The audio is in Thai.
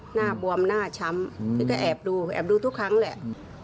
หน้าบวมหน้าช้ำพี่ก็แอบดูแอบดูทุกครั้งแหละ